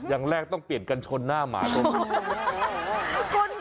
อย่างแรกต้องเปลี่ยนกันชนหน้าหมาตัวนี้